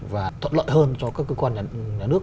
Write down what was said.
và thuận lợi hơn cho các cơ quan nhà nước